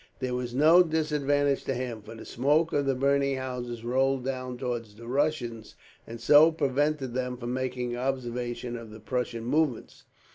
This was no disadvantage to him, for the smoke of the burning houses rolled down towards the Russians, and so prevented them from making observation of the Prussian movements.